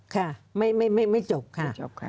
ค่ะไม่จบค่ะ